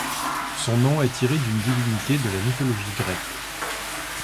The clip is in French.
Son nom est tiré d'une divinité de la mythologie grecque.